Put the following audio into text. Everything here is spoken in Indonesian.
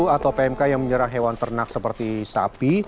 atau pmk yang menyerang hewan ternak seperti sapi